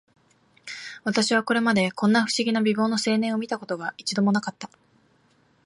私はこれまで、こんな不思議な美貌の青年を見た事が、一度も無かった